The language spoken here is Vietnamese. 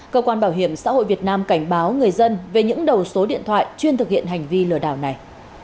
cơ quan bảo hiểm xã hội việt nam cảnh báo người dân về những đầu số điện thoại chuyên thực hiện hành vi lừa đảo này